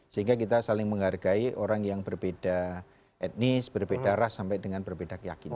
sehingga kita saling menghargai orang yang berbeda etnis berbeda ras sampai dengan berbeda keyakinan